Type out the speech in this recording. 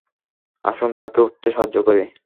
আসুন, তাকে উঠতে সাহায্য করি।